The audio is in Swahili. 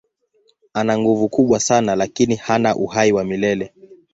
Ana nguvu kubwa sana lakini hana uhai wa milele.